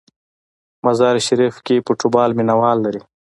مزار شریف کې فوټبال مینه وال لري.